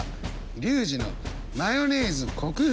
リュウジのマヨネーズ克服